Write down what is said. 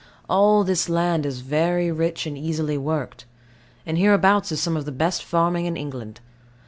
All this land is very rich and easily worked; and hereabouts is some of the best farming in England.